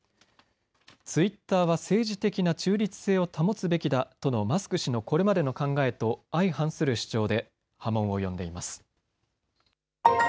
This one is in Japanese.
ツイッターは政治的な中立性を保つべきだとのマスク氏のこれまでの考えと相反する主張で波紋を呼んでいます。